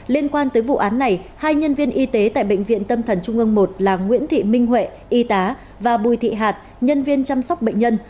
liên quan tới vụ án này hai nhân viên y tế tại bệnh viện tâm thần trung ương một là nguyễn thị minh huệ y tá và bùi thị hạt nhân viên chăm sóc bệnh nhân